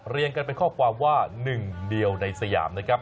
เรียนกันเป็นข้อความว่าหนึ่งเดียวในสยามนะครับ